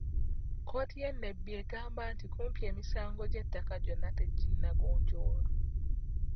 Kkooti y'e Nebbi egamba nti kumpi emisango gy'ettaka gyonna teginnagonjoolwa.